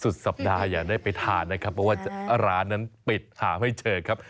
สุดสัปดาห์อย่าได้ไปทานนะครับเพราะว่าร้านนั้นปิดหาไม่เจอครับ